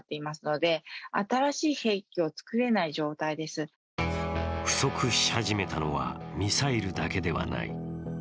その理由は不足し始めたのはミサイルだけではない。